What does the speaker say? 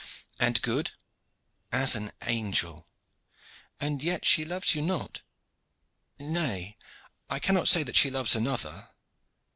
"And good?" "As an angel." "And yet she loves you not?" "Nay, I cannot say that she loves another."